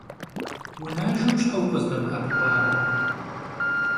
Vunajjeu şhe vukhızdemı'epıkhuare?